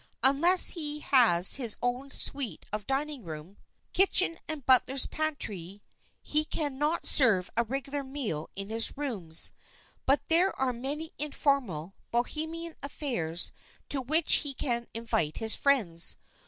Unless he has his own suite of dining room, kitchen and butler's pantry, he can not serve a regular meal in his rooms. But there are many informal, Bohemian affairs to which he can invite his friends.